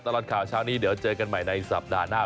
ตลอดข่าวเช้านี้เดี๋ยวเจอกันใหม่ในสัปดาห์หน้า